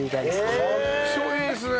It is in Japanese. かっちょいいですね！